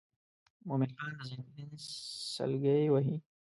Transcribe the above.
مومن خان د زکندن سګلې وهي.